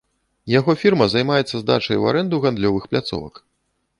Яго фірма займаецца здачай у арэнду гандлёвых пляцовак.